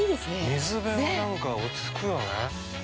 ◆水辺は、なんか落ち着くよね。